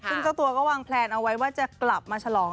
ซึ่งเจ้าตัวก็วางแพลนเอาไว้ว่าจะกลับมาฉลอง